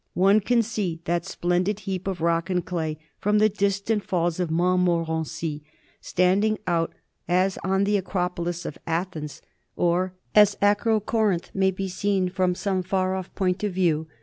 One can see that splendid heap of rock and clay from the distant Falls of Montmorency, standing out as the Acropolis of Athens or as Acrocorinth may be seen from some far off point of view.